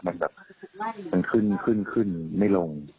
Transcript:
มันแบบมันขึ้นไม่ลง